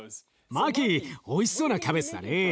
マキおいしそうなキャベツだね。